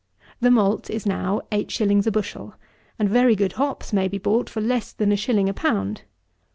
The malt is now eight shillings a bushel, and very good hops may be bought for less than a shilling a pound.